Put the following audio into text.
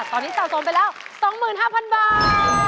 ตอนนี้สะสมไปแล้ว๒๕๐๐๐บาท